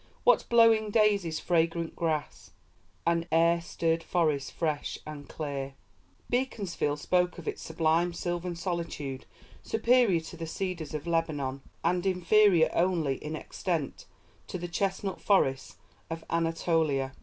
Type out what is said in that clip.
What blowing daisies, fragrant grass! An air stirred forest, fresh and clear. MATTHEW ARNOLD Beaconsfield spoke of its "sublime sylvan solitude superior to the cedars of Lebanon, and inferior only in extent to the chestnut forests of Anatolia."